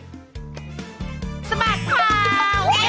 เย้